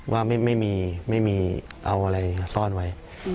ว่าไม่มีไม่มีเอาอะไรซ่อนไว้